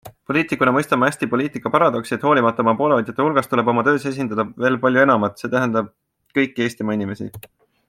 Poliitikuna mõistan ma hästi poliitika paradoksi, et hoolimata oma poolehoidjate hulgast tuleb oma töös esindada veel palju enamat, see tähendab kõiki Eestimaa inimesi.